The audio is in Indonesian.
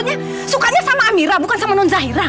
enggak maksudnya sukanya sama amira bukan sama nonzaira